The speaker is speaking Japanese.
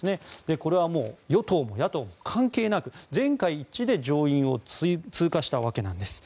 これは与党も野党も関係なく全会一致で上院を通過したわけなんです。